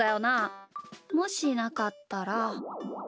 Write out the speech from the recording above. もしなかったら。